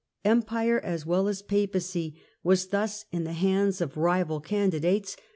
Empire, as well as Papacy, was thus in the hands of rival candidates.